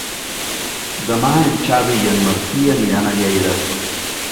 Demà en Xavi i en Martí aniran a Lleida.